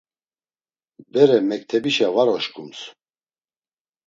Bere mektebişa var oşkums.